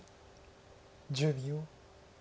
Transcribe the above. １０秒。